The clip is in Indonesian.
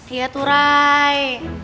iya tuh ray